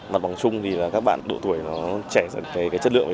mặt bằng chung thì các bạn độ tuổi nó trẻ dần cái chất lượng